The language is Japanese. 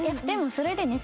でもそれで。